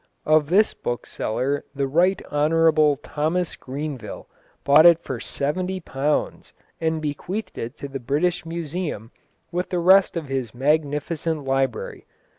Of this bookseller the Right Hon. Thomas Grenville bought it for seventy pounds, and bequeathed it to the British Museum with the rest of his magnificent library.